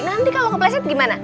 nanti kalo kepleset gimana